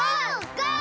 ゴー！